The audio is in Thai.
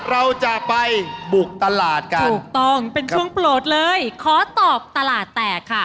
เราจะไปบุกตลาดกันถูกต้องเป็นช่วงโปรดเลยขอตอบตลาดแตกค่ะ